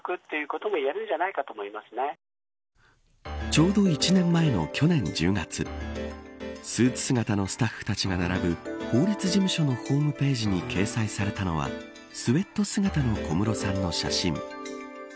ちょうど１年前の去年１０月スーツ姿のスタッフたちが並ぶ法律事務所のホームページに掲載されたのはスウェット姿の小室さんの写真。